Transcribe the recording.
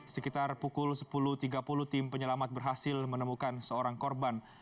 sekitar pukul sepuluh tiga puluh tim penyelamat berhasil menemukan seorang korban